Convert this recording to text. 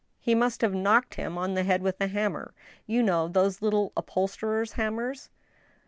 He must have knocked him on the head with a hammer— you know those little upholsterer's hammers